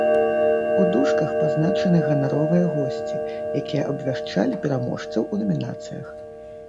У дужках пазначаны ганаровыя госці, якія абвяшчалі пераможцаў у намінацыях.